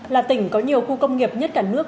là tỉnh có nhiều khu công nghiệp nhất cả nước